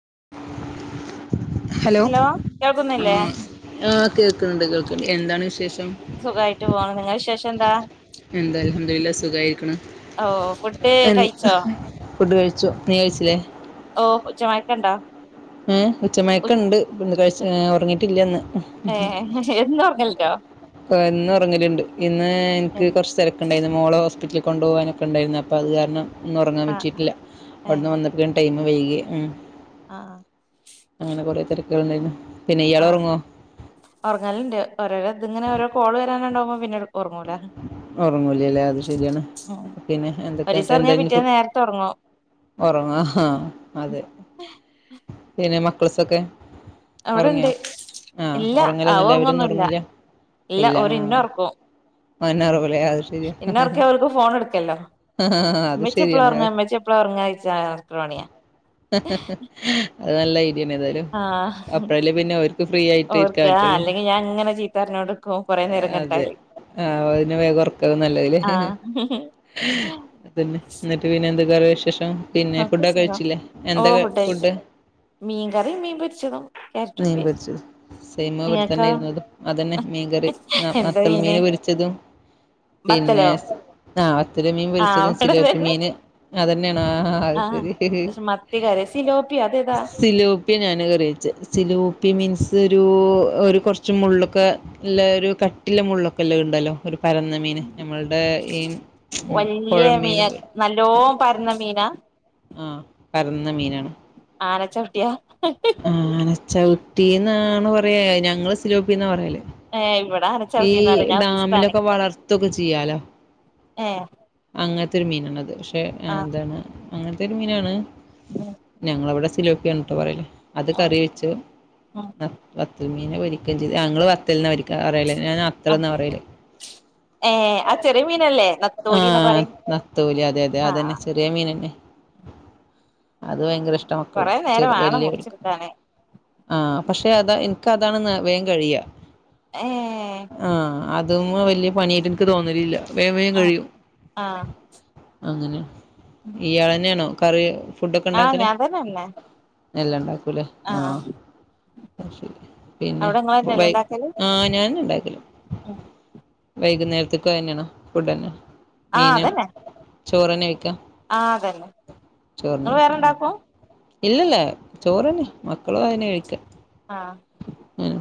[inaudible] Hello ആഹ് ആഹ് കേൾക്കണ്ട് കേൾക്കണ്ട് എന്താണ് വിശേഷം സുഖായിട്ട് പോണ നിങ്ങളെ വിശേഷം എന്താ അത് പിന്നെ സുഖായിയിരിക്കണ് ഓ ഫുഡ് കഴിച്ചോ ഫുഡ് കഴി ചു നി കഴിച്ചില്ലേ ക്കണ്ടാ ഉം ഉച്ചമായക്കിണ്ട് പ ഉറങ്ങിയിട്ടില്ലന്ന് ഏ എന്നും ഉറങ്ങലുണ്ടോ എന്നും ഉറങ്ങലിണ്ട് ഇന്ന് ഏ എനിക്ക് കുറച്ച് തിരക്കുണ്ടായിരുന്നു മോളോ ഹോസ്പിറ്റലി കൊണ്ടുപോകാനൊക്കെ ഉണ്ടായിരുന്നു അപ്പോൾ അത് കാരണം ഇന്ന് ഉറങ്ങാൻ ആ പറ്റിയിട്ടില്ല അവിടുന്ന് വന്നപ്പോഴ ടൈം വൈകി ഉം ആഹ് അങ്ങനെ കൊറെ തിരക്കുകൾ ഉണ്ടായിരുന്നു ആ ഒർങ്ങല്ണ്ട് ഓരോരോ ത്ങ്ങനെ ഓരൊ കോൾ വെരാന്ന് കണ്ടപ്പോ പിന്നെട് ഒറങ്ങൂലല്ലേ അത് ശെരിയാണ് ഉം പിന്നെ എന്തൊക്കെ ൻട്ട് ഒരീസം എന്താ ഉറങ്ങിയാ ഫുഡ് പിറ്റേന്ന് നേരത്തെ ഉറങ്ങും ഒറങ്ങും ആ അതെ പിന്നെ മക്കൾസൊക്കെ അവിടെണ്ട് ഒറങ്ങിയോ ആഹ് ഇല്ല ആ ഒറങ്ങലൊന്നുല്ല അവരൊന്നും ഒർങൊന്നുല്ല ഒറങ്ങില്ല ഇല്ല ഓര് ഇന്നൊർക്കും പതിനാറ് [unintelligible] ഇനെ ഒർക്ക്യാ ഓൽക്ക് ഫോണ് ഇട്ക്കല്ലോ ആഹ് അത് ഇമ്മച്ചി എപ്പളാ ശരിയാണ് ഒർങ്ങാ ഇമ്മച്ചി എപ്പളാ ഒർങ്ങാ ച്ച നട്ക്ക്ണ പണ്യ അത് നല്ല ഐഡിയാണ് ഏതായാലും ആഹ് അപ്പഴല്ലേ പിന്നെ അവർക്ക് ഫ്രീ ആയിട്ട് ഇരിക്കാൻ ഓർക്ക് പറ്റുള്ളൂ അല്ലെങ്കി ഞാന് ങ്ങനെ ചീത്തർഞ്ഞോണ്ട്ക്കും കൊറെ നേരം കണ്ടാല് അപ പിന്നെ വേഗം ഒർക്കാവും നല്ലെല്ലേ ഹ് ഹ് ആഹ് പിന്നെ ന്ന്ട്ട് പിന്നെ എന്തൊക്കെ അവരെ വി ഷം പിന്നെ ഒക്കെ ഫുഡൊക്കെ സുഖം കഴിച്ചില്ലേ ഓ എന്താ ക കഴിച്ചു ഫുഡ് മീൻകറി മീൻ പൊരിച്ചതും ക്യാരറ്റ് മീൻ ഉപ്പേരിം പൊര്ച്ചത് സേമ് ഇവ്ടെത്തന്നെ നിങ്ങക്കോ [unintelligible] അത് തന്നെ മീൻകറി വത്തൾ മീന് പൊരി ച്ചതും പിന്നെ ബത്തലോ വത്തല് മീൻ ആഹ് പൊരിച്ചതും, അവിടെ സിലേപ്പി തന്നെ മീന്, അതന്നെണ് ആഹ് ശരി പക്ഷെ മത്തി കറി സിലോപ്പി അതേതാ സിലോപി ഞാന് കറി വെച്ചെ സിലോപ്പി മീൻസ് ഒരു ഒര് കോർച്ച് മുള്ളൊക്കെ ഇല്ലോരു കട്ടില്ലേ മുള്ളൊ [unintelligible] പരന്ന മീന് നമ്മൾടെ ഈ പോഴ വല്യ മീന മീന് നല്ലോം പരന്ന മീനാ ആഹ് പരന്ന മീനാണ് ആനച്ചവ്ട്ടിയാ ആനച്ചവ്ട്ടിന്നാ [unintelligible] ഞങ്ങള് സിലോപ്പിന്നാ പറയല് ഏ [unintelligible] ഈ ഡാമ് ലൊക്കെ വളർത്തൊക്കെ ചെയ്യാലോ ഏ അങ്ങൻത്തെരു മീനാണ് അത് എന്താണ് അങ്ങനത്തെക്കെ മീനാണ് ഉം ഞങ്ങളിവിടെ സിലോപിയാണ് ട്ടൊ പറയല് അത് കറി വെച്ചു ഉം [unintelligible] പിന്നെ പൊരിക്കും ചെയ്ത് അങ്ങള് [unintelligible] പറയല് ഞാൻ ആഹ് നത്തൾന്നാ പറയല് ഏഹ് ആ ചെറിയ മീനല്ലേ ന ആഹ് നത്തോലി അതെ അതെ അതന്നെ ചെറിയ മീനന്നെ അത് ഭയങ്കര ഇഷ് കൊറെ മക്കളും ചെ നേരം വേണം വല്യെ പഠിക്കും മുറിച്ചെടുക്കാന് ആ പക്ഷെ അതാ ഇൻ ക്ക് അതാണ്ന്ന്‌ വേഗം കഴിയ ഏ ആ അത് തങ്ങും വലിയ പണിയാട്ട്ന്‌ക്ക് തോന്നലില്ല വേവേഗം ആ കഴിയും ആ അങ്ങനെ ഇയാളന്നേണോ കറിയോ ആ ഫുഡൊക്കെണ്ടാക്കല് ഞാൻ തന്നെന്നെ എല്ലം ണ്ടാക്കുലേ ആ അത്ശെരി പിന്നെ അവിടെ നിങ്ങള് പ്പ തന്നെയല്ലേ വെയ് ഉണ്ടാക്കല് ആ ഞാനുംണ്ടാക്കല് വൈകുന്നേ തിക്കും അയന്നേണ് ഫുഡെന്നെ ആ അതന്നെ ചോറന്നെ ആ അതന്നെ ചോറിന് നങ്ങൾ കഴിക്കല വേറെണ്ടാക്കും ഇല്ലല്ല ചോർനെ മക്കളും അതെന്നെ കയിക്ക ആ ഉം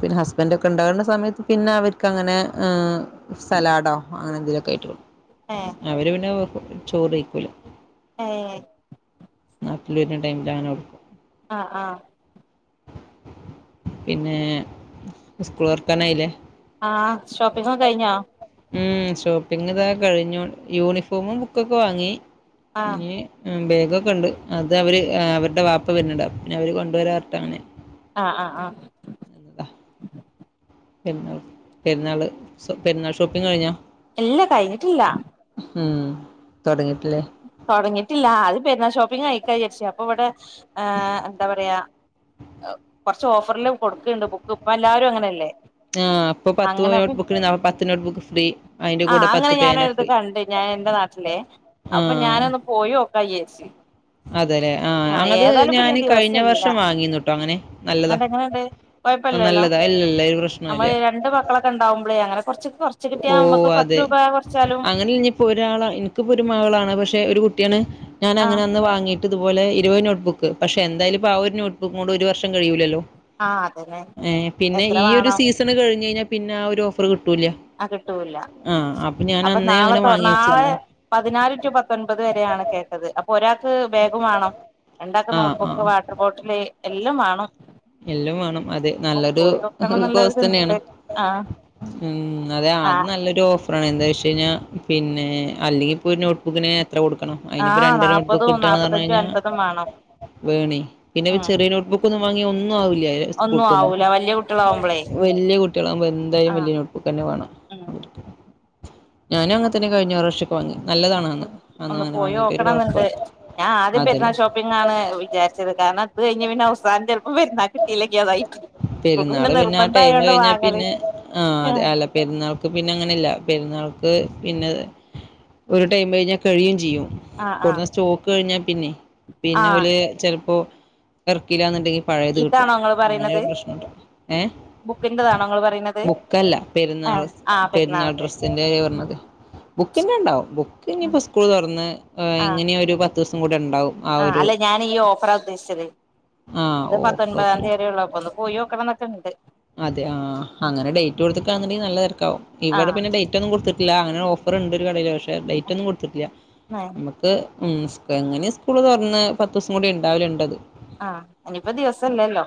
പിന്നെ ഹസ്ബൻറ് ഒക്കെ ഉണ്ടാവ്ണ സമയത്ത് പിന്നെ അവര്ക്ക് അങ്ങനെ ഏ സലാഡോ അങ്ങനെ എന്തെങ്കലുമൈറ്റം ഏ അവര് പിന്നെ വെ ചോറെ ഏ ടൈമ് ലങ്ങനെ കൊട്ക്കും ആ ആ പിന്നേ സ്കൂളൊർക്കാനായില്ലേ ആ ഷോപ്പിങ്ങൊക്കെ കയ്ഞ്ഞോ ഉം ഷോപ്പിംഗിതാ കഴിഞ്ഞോ യൂണിഫോമും ബുക്കൊക്കെ വാങ്ങി ആ ഞ്ഞ് ബാ തൊക്കെ ഉണ്ട് അത് അവര് അവരുടെ വാപ്പ വര്ന്ന്ണ്ട് അപ്പോ പിന്നെ അവര് കൊണ്ടുവരാറ്ട്ട് അങ്ങനെ ആ ആ ആ പെരുന്നാള് പെരുന്നാള് സൊ പെരുന്നാൾ ഷോപ്പിംഗ് കഴിഞ്ഞ ല്ലാ കഴിഞ്ഞിട്ടില്ല ഉം തുടങ്ങി തൊടങ്ങിട്ടില്ല ആള് പെരുന്നാ ഷോപ്പിങ് ആയി കൈയര്ച്ച് അപ്പൊ ഇവടെ ആഹ എന്താ പറയാ കെറച്ച് ഓഫറല് കൊടുക്കുണ്ട് ബുക്ക് ഇപ്പ എല്ലരും അങ്ങനെയല്ലേ ആഹ അപ്പൊ പത്ത് അങ്ങനെ അപ്പൊ നോട്ട്ബുക്ക് പത്ത് നോട്ട്ബുക്ക് ഫ്രീ അയിന്റെ ആഹ് കൂടെ അങ്ങനെ പത്ത് പേന ഞാനൊരിത് ഫ്രീ കണ്ട് ഞാൻ എന്റെ നാട്ടിലേ അപ്പൊ ആഹ് ഞാനന്ന് പോയോ [unintelligible] അതെല്ലേ ആഹ അങ്ങത് ഞാൻ കഴിഞ്ഞ ദിവസല്ല വർഷം വാങ്ങിന്നുട്ടോ അങ്ങനെ നല്ലതാ എന്നിട്ട് എങ്ങനെണ്ട് കൊഴപ്പല്ലല്ലോ നല്ലതാ ഇല്ലല്ല ഒരു പ്രശ്നം ഇല്ല നമ്മള് രണ്ട് മക്കളൊക്കെ ഉണ്ടാവുമ്പളേ അങ്ങനെ കൊറച്ച് കൊറച്ച് ഓ കിട്ടിയാ നമുക്ക് പത്ത് അതെ രൂപ കൊറച്ചാലും അങ്ങനെനി ഇപ്പോ ഒരാള എനിക്കിപ്പോ ഒരു മകളാണ് പക്ഷെ [unintelligible] ഒരു കുട്ടിയാണ് ഞാൻ അങ്ങനെ ആഹ് അന്ന് വാങ്ങി ഇതു പോലെ ഇരുപത് നോട്ട് ബുക്ക് പക്ഷെ എന്തായാലും ഇപ്പോ ആ ഒരു നോട്ട്ബുക്ക് കൊണ്ട് ഒരു വർഷം [unintelligible] കഴിയൂല്ലല്ലേ ആഹ് അതന്നെ ങേ പിന്നെ എത്ര ഈ ഒരു വേണം സീസണ് കഴിഞ്ഞ്നയിന പിന്നെ ആ ഒരു ഓഫറ് കിട്ടൂല്യ ആ കിട്ടൂല്ല അപ്പൊ അന്നേ നാളെ അങ്ങനെ തോ വാങ്ങി നാളെ വെച്ചതിന് പതിനാല് ടു പത്തൊൻപത് വരെയാണ് കേട്ടത് അപ്പൊ ഒരാ ഗ് ബോഗും വേണം രണ്ടാ ആ ആ നോട്ട്ബുക്ക് വാട്ടർബോട്ടില് എല്ലാം വേണം എല്ലാം വേണം അതെ അപ്പൊ നല്ലൊരു പോയി നോക്കണം കോസ്റ്റ് തന്നെയാണ് എന്നുള്ളൊരിത്ണ്ട് ആഹ് ഉം അതെ ആഹ് അത് നല്ലൊരു ഒ ഒഫ്റാണ് എന്ന് വെച്ച്കഴിഞ്ഞാ പിന്നെ അല്ലെങ്കിപ്പോനോട്ടുബുക്കിന് കൊടുക്കണം അതിനിപ്പ ആഹ് രണ്ട് നോട്ട്ബുക്ക് നാപ്പതും നാപ്പത്തഞ്ചും കിട്ട്ണ്പറഞ്ഞകഴിഞ്ഞാ അൻപതും വേണം വേണി പിന്നെ ഉം ചെറിയ നോട്ട്ബുക്ക് ഒരു വാങ്ങിയ ഒന്ന് ഒന്നും ആവില്ല ഒന്നും സ്കൂൾക്കാന്നും ആവൂല വല്യ കുട്ടികളാവുമ്പളേ വല്യ കുട്ടികളാകുമ്പോ എന്തായാലും ആഹ് വലിയ നോട്ട്ബുക്ക് തന്നെ വേണം ഉം ഞാനും അങ്ങത്തന്നെ കഴിഞ്ഞ പ്രവശ് ഒന്ന് പോയി വാങ്ങിയിട്ട് ഒരു നോക്കണം എന്നുണ്ട് കുഴപ്പമില്ല ഞാൻ ആദ്യം അതല്ല പെരുന്നാൾ ഷോപ്പിംഗ് ആണ് വിചാരിച്ചത് കാരണം അത് കഴിഞ്ഞ് പിന്നെ അവസാനം ചിലപ്പോ പെരുന്നാ പെരുന്നാള് പിന്നെ ആ ടൈം നിർബന്ധായോണ്ട് കഴിഞ്ഞാ വാങ്ങല് പിന്നെ ആതേ അല്ല പെരുന്നാൾക്ക് പിന്നെ അങ്ങനെല്ല പെരുന്നാൾക്ക് പിന്നെ ഒരു ടൈം കഴിഞാ കഴിയുകയും ചെയ്യും ആഹ് ആഹ് കൂടുതൽ സ്റ്റോക്ക് കഴിഞ്ഞാ പിന്നെ പിന്നെ ആഹ് ഓല് ചെലപ്പോ ഇറക്കില്ല എന്നുണ്ടെ പഴയത് കി ഇതാണോ ഇങ്ങള് അങ്ങനെരു പറയണത് പ്രശ്നുണ്ട് ഏ ബുക്കിന്റെതാണോ ഇങ്ങള് പറയണത് ബുക്കല്ല പെരുന്നാൾ ആഹ് ആഹ് പെരുന്നാൾ പെരുന്നാളിന്റെ ഡ്രസ്സിന്റെ കാര്യാ ഉം പറഞ്ഞത് ബുക്കിൻ്റെ ഇണ്ടാവും ഉം ഇനിപ്പോ സ്കൂൾ തുറന്ന് ആഹ് ഇങ്ങനെ ഒരു പത്ത്ദിവസം കൂടെ ഇണ്ടാവും ആ ആഹ് ഒരു അല്ല ഞാൻ ഈ ഓഫറാ ആ ഓ അദ്യായിട്ടാണല്ലോ ഒന്ന് പോയി നോക്കണമെന്നൊക്കെ ഉണ്ട്. അതെ ആ അങ്ങനെ ഡേറ്റ് കൊടുത്തടാണെങ്കിൽ നല്ല തെരക്കാവും, ഇവിടെ പിന്നെ ഡേറ്റ് ഒന്നും കൊടുത് ഇല്ല അങ്ങനെ ഓഫർ ഇണ്ട്. [unintelligible] പക്ഷേ ഡേറ്റ് ഒന്നും കൊടുത്തിട്ടില്ല, ആഹ് നമുക്ക് ഉം സ് എങ്ങനെ സ് സ്കൂള് തൊറന്ന് പത്ത് സം കൂടി ഇണ്ടാവിലിണ്ടത്. ആ ഇനിപ്പോ ദിവസല്ലല്ലോ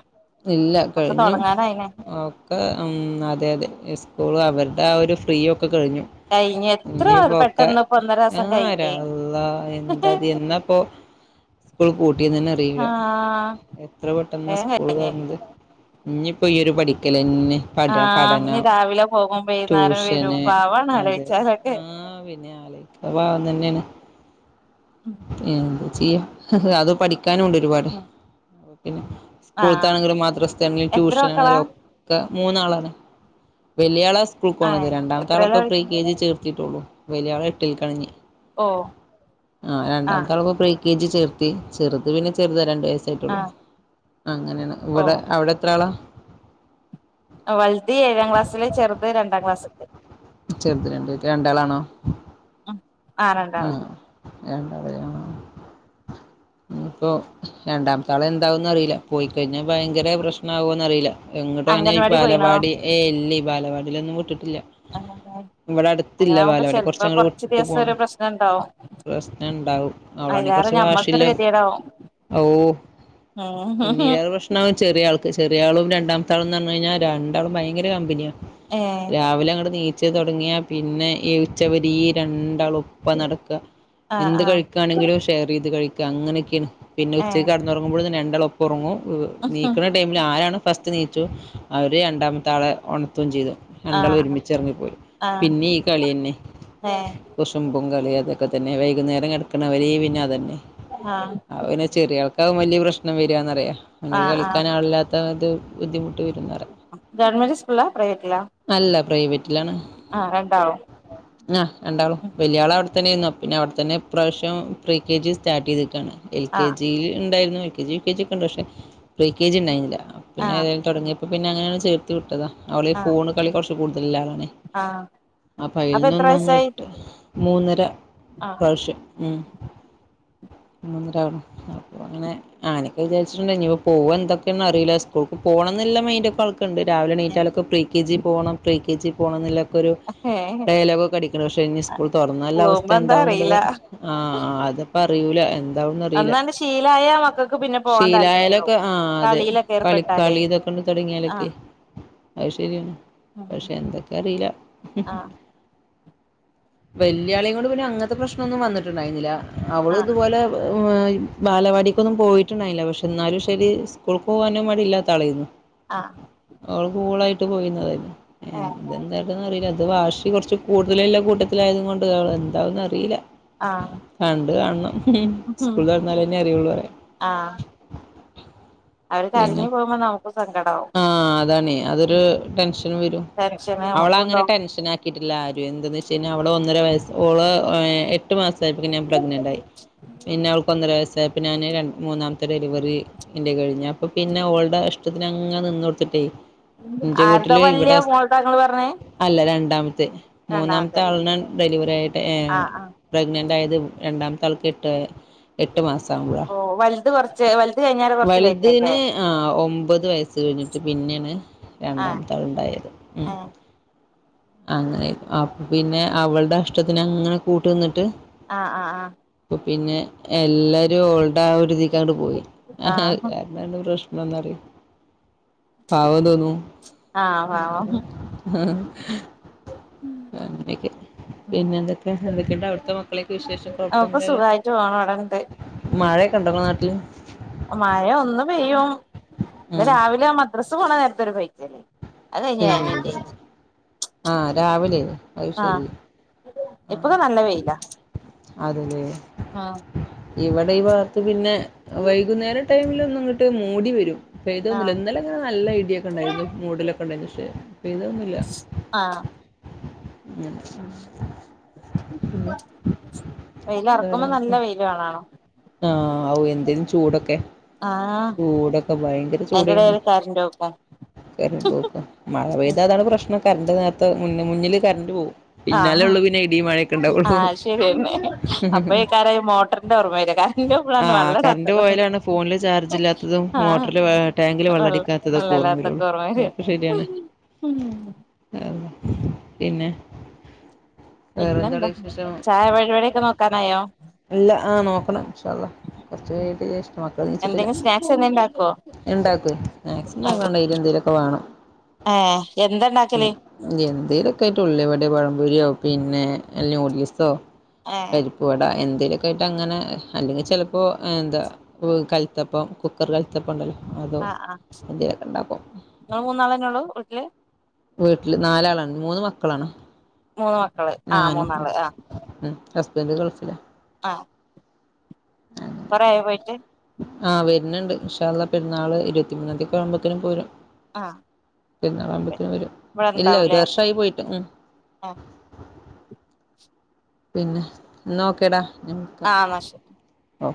ഇല്ല അപ്പോ കഴിഞ്ഞു തൊടങ്ങാറായിലെ. ഒക്കെ ഉം അതെ അതെ സ്കൂൾ അവരുടെ ആ ഒരു ഫ്രീ ഒക്കെ കഴിഞ്ഞു, കഴിഞ്ഞ് എത്ര ഇനിപ്പോ ഒക്കെ പെട്ടെന്ന് ഇപ്പ ഒന്നര ആ മാസം കഴിഞ്ഞ് ആരാള്ള എന്തായിത് എന്നപ്പോ സ്കൂള് പൂട്ടിതന്ന് അറിയില്ല, ആഹ് എത്ര പെട്ടെന്ന വേഗം കഴി സ്കൂള് തുറന്നത്. ഇനി ഇപ്പോ ഈ ഒരു പഠിക്കല്ന്നെ. പഠ ആഹ് ഇനി പഠനം രാവിലെ പോകും വൈകുന്നേരം വരും ട്യൂഷന് പാവാണ് അത് ആലോചിച്ചാലൊക്കെ ആ പിന്നെ [unintelligible] ഭാവം തന്നെയാണ് ഉം [unintelligible] ചെയ്യും, അത് പഠി ക്കാനുമുണ്ട് ഒരുപാട് ഉം ഓ പിന്നെ ആഹ് സ്കൂളിത്തെയാണങ്കില് മാത്രം സ്ഥ [unintelligible] ങ്കിൽ എത്ര മക്കളാ ട്യൂഷനാനെല്ലോ. മൂന്നാളാണ് വെല്യാള് സ് സ്‌കൂളിൽ പോണത്, ആഹ് രണ്ടമത്തെ ആള് എത്രേലാ ഇപ്പം പ്രീ പഠിക്കുന്നെ കെ ജി ചേർ റ്റിട്ടോളു വലിയാള് എട്ടിലേക്കാണ് ഇനി. ഓഹ് ആ ആഹ് രണ്ടാമത്താള് ഇപ്പം പ്രി എൽ കെ ജി ചേർത്തി ചെറുത് പിന്നെ ചെറുതാ രണ്ട് വയസായിട്ടുള്ളു ആഹ് അങ്ങനെയാണ് ഇവിടെ ഓഹ് അവിടെ എത്ര ആളാ വലുത് ഏഴാം ക്ലാസ്സില് ചെറുത് രണ്ടാം ക്ലാസ്സ്‌ക്ക് ചെറുത് രണ്ട് രണ്ടാളാണോ ഉം ആഹ് രണ്ടാള് മ്മ് [unintelligible] ഇനിപ്പോ രണ്ടാമത്താള് എന്താവുന്ന് അറിയിലാ പോയിക്കഴിഞ്ഞാൽ ഭയങ്കര പ്രശ്നം ആകുവോന്നറിയില്ല എങ്ങോട്ട് പോണേ ഈ അംഗൻവാടി പോയിണോ ബാലവാടി ഏഹ് ഇല്ലേ വാലവാടിലൊന്നും വിട്ടിട്ട് ട്ടില്ല അംഗൻവാടി ഇവിടെ അടുത്തില്ല അങ്ങനെ ആകുമ്പോ ബാലവാടി ചെലപ്പോ കൊറച്ചങ്ങട് കൊറച്ച് വിട്ട് ദിവസം ഒരു പോണം പ്രശ്നം ഇണ്ടാവും പ്രശ്നം ഒണ്ടാവും അവളാണെങ്കി അയിലേറെ കൊറച്ച് വാശിള്ള ഞമ്മക്കൊരു ഗതികേടാവും ഓ ഉം ഇന്നിലേറെ പ്രശ്നും ചെറിയ ആൾക്ക് ചെറിയ ആളും രണ്ടാം [inaudible] [unintelligible] ഏ [inaudible] ആഹ് [unintelligible] ആഹ് ഏ [inaudible] [inaudible] [inaudible] [inaudible] ആഹ് ആഹ് [inaudible] ഏ [inaudible] [inaudible] ആഹ് [inaudible] [unintelligible] ആഹ് ആഹ് [inaudible] [inaudible] അല്ല പ്രൈവറ്റിലാണ് ആഹ് [inaudible] [inaudible] [inaudible] ആഹ് [inaudible] [inaudible] ആഹ് [inaudible] ആഹ് [inaudible] ആഹ് [inaudible] അപ്പൊ എത്ര വയസായി [inaudible] [inaudible] [unintelligible] [inaudible] [inaudible] ആഹ് കെ ജി പോണംന്ന്ല്ല. ഒരു ഏ ഡയലോഗ് ഒക്കെ അടിക്കണം, പക്ഷേ ഇഞ്ഞ് സ് കൂൾ തൊറന്നല്ല അവസ്ഥ പോകുമ്പോ എന്താ എന്താവുന്നുള്ളത് അറിയില്ല ആ ആ അതെപ് പറയൂല എൻ ന്താവുന്ന് അറീല, ഒന്നാണ്ട് ശീലായ മക്കൾക്ക് പിന്നെ പോവാൻ താല്പര്യാവും ശീലായാലൊക്കെ ആ അതെ കളിയിലൊക്കെ കളി ഏർപ്പെട്ടാലേ കളിതൊക്കെ ഒന്ന് തൊടങ്ങിയാൽ ഒക്കെ ആഹ് അയ്ശേരി ആണ് പഷേ ന്തക്ക് അറീല. ആഹ് വല്ലിയാളേം കൊണ്ട് പിന്നെ അങ്ങത്തെ പ്രശ്നം ഒന്നും വന്നിട്ട്ണ്ടായ്ന്നില്ല. അവളു ആഹ് ഇതുപോലെ വ് മ് ഈ ബാലവാടിക്കൊന്നും പോയിട്ട്ണ്ടയില്ല, പക്ഷേ ഇന്നാലും ശെരി സ്കൂൾക്ക് പോവാനും മടി ഇല്ലാത്ത ആളായിരുന്നു. ആഹ് അവൾ കൂളായ്‌ ട്ട് പോയിന്നതായിരുന്നു. ഏ എന്ത് എന്താക്കുംന്ന് അറീല. അത് വാശി കൊറച്ച് കൂടുതൽല്ല കൂട്ടത് ത്തിലായത് കൊണ്ട് അവൾ എന്താവുന്ന് അറീല. ആഹ് അത് കാണ്ണം മ് സ്കൂൾ തൊറന്നാൽഎന്നെ അറിയുള്ളു റിയ ആഹ് അവര് കരഞ്ഞ് പോകുമ്പോ നമുക്കും സങ്ക ആഅ അതാണെ അതൊരു ടെൻഷൻ വരും ടെൻഷന് അവളെ അങ്ങനെ നമുക്കുണ്ടാവും ടെൻഷൻ ആക്കിട്ടില്ല ആരും എന്തന്ന് വെച്ച് കഴിഞ്ഞാൽ അവൾ ഒ ന്നരവയസ് ഓള ഏ എ ട്ട് മാസം ആയപ്പം പിന്നെ ഞാൻ പ്രെഗ്നന്റ് ആയി പിന്നെ അവൾക്ക് ഒന്നര വയസ്സ് ആയ പ്പം ഞാന് ര മൂന്നാമത്തെ ഡെലിവറി ഇന്റെ കയിഞ്ഞ് അപ്പം പിന്നെ ഓൾടെ ഇഷ്ട്ടത്തി ഞങ്ങെ നിന്നൊട്ത്തിട്ടെ ആതാ വല്യ മോൾതാ ങ്ങള് പറഞ്ഞേ ഡം ത് മൂന്നാമത്തെ രണ്ടാമത്തെന്നെ ആൾനാ ഡെലിവറി ആയിട്ട് ആഹ് ആഹ് പ്രഗ്നന്റ് അതായത് രണ്ടാമത്താൾക്ക് എട്ട് എട്ട് മാസം ആകുമ്പോഴ ഓ വലുത് കൊറച്ച് വലുത് കഴിഞ്ഞാല് കൊറച്ച് ലേറ്റ് വലുത് ആയില്ലേ ന് ആ ഒമ്പത് ത്ത് വയസ്സ് കഴിഞ്ഞിട്ട് പിന്നെണ് ആഹ് രണ്ടാമത്തെ ആൾ ണ്ടായത് മ്മ് ഏഹ് അങ്ങനെ ഈ അപ് പിന്നെ അവൾടെ ഇഷ്ട്ടത്തിന് അങ്ങനെ കൂട്ട് നിന്നിട്ട് ആ ആആ ഇപ്പൊ പിന്നെ എല്ലാരും ഓൾടെ ആ ഒരു ഇതി ക്കങ്ങട്ട് പോയി ആഹ് അതാണ് പ്രശ് [unintelligible] പാവംതോന്നു ആഹ് പാവം [unintelligible] പിന്നെ എന്തൊക്കെ എന്തൊക്കെണ്ട് അവിടുത്തെ മക്കളെക്ക് വിശേഷം അവക്ക് കൊഴപ്പോന്നുല്ലല്ലോ സുഖായിട്ട് പോണ് മ മഴയൊക്കെണ്ടോ ഇങ്ങള് നാട്ടില് മായ ഒന്ന് പെയ്യും ന്ന് ഉം രാവിലെ മദ്രസ് തു പോണ നേര്തൊരു കൈകല് പ ആഹ രാവിലെ അത് ആഹ് ശരി ആഹ ഇപ്പൊക്കെ നല്ല വെയിലാ അതിലേ ഉം ഇവിടെ ഈ വാർത്ത് പിന്നെ വൈകുന്നേര ടൈമിൽ ഒന്ന ഇങ്ങോട്ട് മൂടി വരും പൈതൊന്നുമില്ല ആഹ് ഇന്നലെ ഇടി ഒക്കെ ഉണ്ടായിരുന്നു മൂഡിലെ കണ്ട നിഷ്യം [unintelligible] അപ്പ ഇതൊന്നുമില്ല ആഹ് ഉ [unintelligible] വെയില ഇറക്കുമ്പോ നല്ല വെൽ വേണാണോ ആഹ ഓ എന്തേലും ചൂടൊക്കെ ആഹ ചൂടൊക്കെ ഭയങ്കര അയിന്റെ ചൂടായിരുന്നു വേലക്കാറുണ്ടാകും കരണ്ട് പോക്ക മഴ പെയ്താതാണ് പ്രശ്നം കണ്ട [unintelligible] മുന്നിൽ കറണ്ട് പോകും പിന്നാലെ ആഹ് ഉള്ളൂ പിന്നെ ഇടി മഴയൊക്കെ ഉണ്ടാവുള്ളൂ ആഹ് ശരിയെന്നെ അപ്പഴേക്കാരം ഈ മോട്ടറിന്റെ ഓർമ്മ വരാ കരണ്ട് ആ പോവുമ്പളാണ് വെള്ളം കറണ്ട്റ് ഇടാത്തത് പോയാലാണ് ഫോണില് ചാർജ് ഇല്ലാത്തതും ആഹ് മോട്ടറില് ടാങ്കില് ഉള്ള വെള്ളംടിക്കാത്തതൊക്കെ ഉള്ളല്ലാത്തൊക്കെ ഓർമ്മല്ലള്ളു ഓർമ്മ വര ഉം ഉം പിന്നെ വേറെന്താട പിന്നെന്താ വിശേഷം ചായ പരിപാടിയൊക്കെ നോക്കാനായോ ഇല്ല ആ നോക്കണം ഇൻഷാ അള്ളാ കൊറച്ച് കയ്യട്ടെ വിചാരിച്ച് നിക്കാ മക്കള് നീച്ചിട്ടില്ല എന്തെങ്കിലും സ്നാക്സ് എന്തേ ഉണ്ടാക്കുവോ ഇണ്ടാക്കും മാക്സിമം ഞങ്ങള് ഡെയലി എന്തേലും വാണം ആ എന്താ ഇണ്ടാക്കല് എന്തേലൊക്കെ ഉള്ളിവടെ പഴം പൊരിയോ പിന്നെ ന്യൂഡിൽസോ ഏ പരിപ്പുവട എ [unintelligible] ആയിട്ട് അങ്ങന അല്ലെങ്കിൽ ചെലപ്പോ എന്താ കൽത്തപ്പം കുക്കർല് കലുത്തപ്പം ഇണ്ടല്ലോ അതോ ആഹ് ആ എന്തേലൊക്കെ ഇണ്ടാക്കും നിങ്ങള് മൂന്നാളെന്നേ ഒള്ളൂ? കുട്ട്യള് വീട്ടില് നാലാളാണ് മൂന്ന് മക്കളാണ് മൂന്ന് മക്കള് ആ ഞാനും മൂന്നാള് ആ ഉം ഹസ്ബൻഡ് ഗൾഫിലാ ആ കൊറേ ആയോ പോയിട്ട്? ആ വരുന്നുണ്ട് ഇൻഷാ അള്ളാ പെരുന്നാള് ഇരുവത്തിമൂന്നാന്തി യൊക്ക ആവുമ്പോത്തിന് പോരും ആ പിന്നെ ഇവിടെ [unintelligible] ഇല്ല ഒരു ഉണ്ടാവൂലേ വർഷായി പോയിട്ട് ഉ ആ പിന്നെ നോക്കടാ ആ മ ശ ഓ